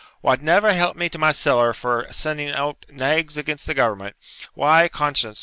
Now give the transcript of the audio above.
] wad never help me to my siller for sending out naigs against the government, why, conscience!